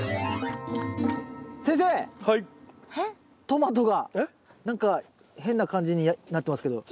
トマトが何か変な感じになってますけど。